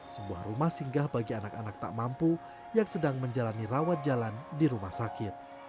sebuah rumah singgah bagi anak anak tak mampu yang sedang menjalani rawat jalan di rumah sakit